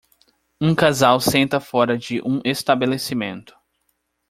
Um casal senta fora de um estabelecimento.